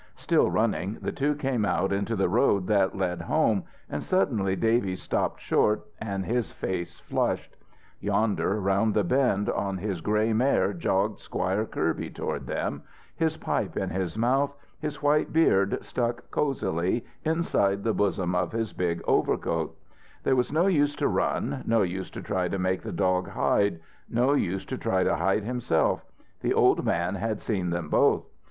Still running, the two came out into the road that led home, and suddenly Davy stopped short and his face flushed. Yonder around the bend on his grey mare jogged Squire Kirby toward them, his pipe in his mouth, his white beard stuck cozily inside the bosom of his big overcoat There was no use to run, no use to try to make the dog hide, no use to try to hide himself the old man had seen them both.